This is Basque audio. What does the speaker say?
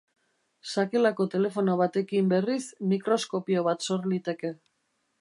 Sakelako telefono batekin, berriz, mikroskopio bat sor liteke.